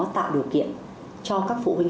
tạo điều kiện cho các phụ huynh